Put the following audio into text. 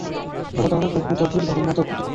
জগতে অনেক অদ্ভুত-অদ্ভুত ঘটনা তো ঘটে।